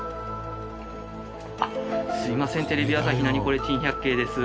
すいませんテレビ朝日『ナニコレ珍百景』です。